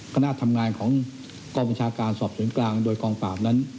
คณะทำงานของกองบัญชาการสอบสวนกลางโดยกองปราบนั้น